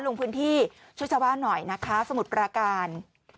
ลงพื้นที่ช่วยชาวบ้านหน่อยนะคะสมุทรปราการ